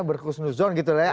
berkus nuzon gitu ya